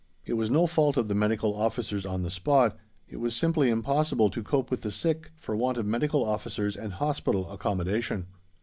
It was no fault of the Medical Officers on the spot; it was simply impossible to cope with the sick for want of Medical Officers and hospital accommodation.